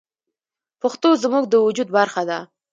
پښتو زموږ د وجود برخه ده.